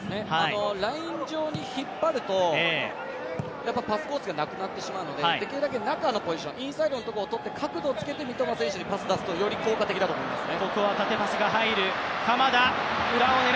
ライン上に引っ張ると、パスコースがなくなってしまうのでできるだけ中のポジション、インサイドのところをとって角度を付けて三笘選手にパスを出すとより効果的だと思いますね。